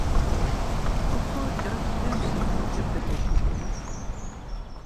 Oxorcak lemşis noǩepi goşudumes.